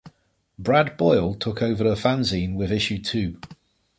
Brad Boyle took over the fanzine with issue two.